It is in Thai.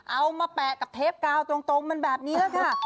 มาแปะกับเทปกาวตรงมันแบบนี้ค่ะ